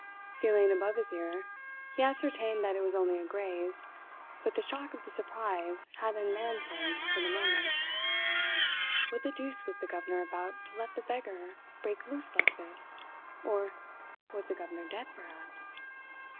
Feeling above his ear, he ascertained that it was only a graze, but the shock of the surprise had unmanned him for the moment. What the deuce was the governor about to let the beggar break loose like this? Or was the governor dead, perhaps?